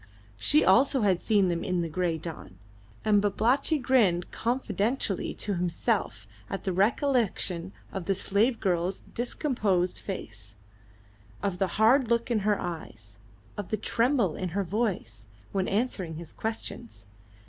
She also had seen them in the grey dawn. And Babalatchi grinned confidentially to himself at the recollection of the slave girl's discomposed face, of the hard look in her eyes, of the tremble in her voice, when answering his questions.